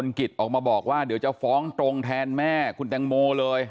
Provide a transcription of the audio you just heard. กิจออกมาบอกว่าเดี๋ยวจะฟ้องตรงแทนแม่คุณแตงโมเลย